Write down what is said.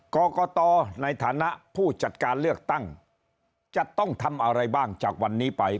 กรกตในฐานะผู้จัดการเลือกตั้งจะต้องทำอะไรบ้างจากวันนี้ไป